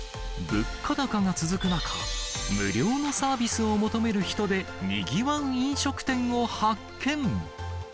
物価高が続く中、無料のサービスを求める人でにぎわう飲食店を発見。